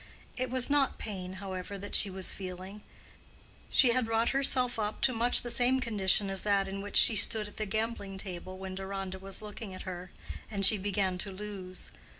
It was not pain, however, that she was feeling: she had wrought herself up to much the same condition as that in which she stood at the gambling table when Deronda was looking at her, and she began to lose.